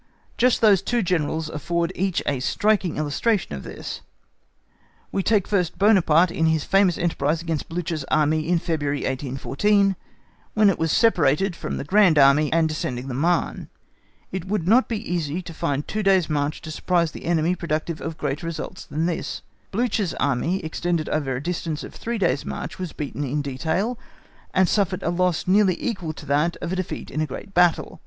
Just those two Generals afford each a striking illustration of this. We take first Buonaparte in his famous enterprise against Blücher's Army in February 1814, when it was separated from the Grand Army, and descending the Marne. It would not be easy to find a two days' march to surprise the enemy productive of greater results than this; Blücher's Army, extended over a distance of three days' march, was beaten in detail, and suffered a loss nearly equal to that of defeat in a great battle.